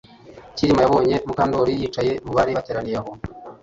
Kirima yabonye Mukandoli yicaye mu bari bateraniye aho